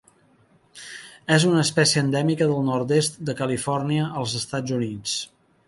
És una espècie endèmica del nord-oest de Califòrnia als Estats Units.